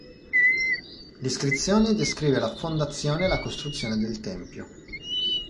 L'iscrizione descrive la fondazione e la costruzione del tempio.